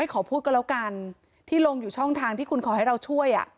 ขอพูดก็แล้วกันที่ลงอยู่ช่องทางที่คุณขอให้เราช่วย